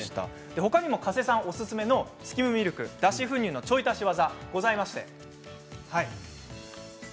他にも加瀬さんおすすめのスキムミルク、脱脂粉乳のちょい足しワザがございます。